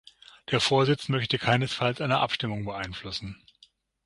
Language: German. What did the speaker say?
Der Vorsitz möchte keinesfalls eine Abstimmung beeinflussen.